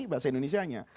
bahasa indonesia nya